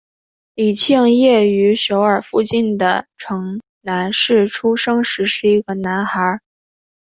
李庆烨于首尔附近的城南市出生时是一个男孩。